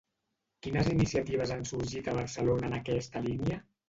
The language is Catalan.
Quines iniciatives han sorgit a Barcelona en aquesta línia?